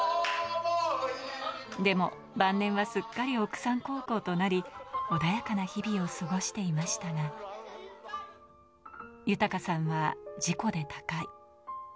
でも晩年はすっかり奥さん孝行となり穏やかな日々を過ごしていましたが、豊さんは事故で他界。